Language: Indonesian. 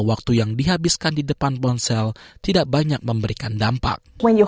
waktu yang dihabiskan di depan ponsel tidak banyak memberikan dampak